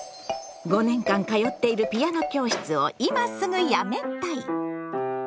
５年間通っているピアノ教室を今すぐやめたい！